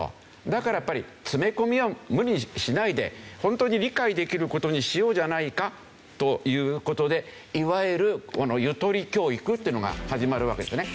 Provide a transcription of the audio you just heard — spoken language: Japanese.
だからやっぱり詰め込みは無理しないで本当に理解できる事にしようじゃないかという事でいわゆるこのゆとり教育というのが始まるわけですね。